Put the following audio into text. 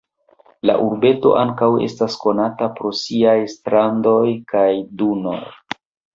La urbeto ankaŭ estas konata pro siaj strandoj kaj dunoj.